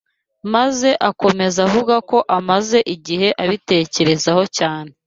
maze akomeza avuga ko amaze igihe abitekerezaho cyane